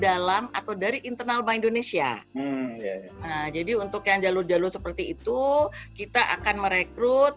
dalam atau dari internal bank indonesia jadi untuk yang jalur jalur seperti itu kita akan merekrut